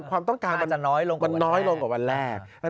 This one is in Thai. ความต้องการมันความน้อยลงกว่าวันแรก